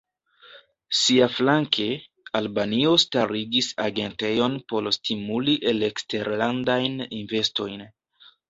Siaflanke, Albanio starigis agentejon por stimuli eleksterlandajn investojn.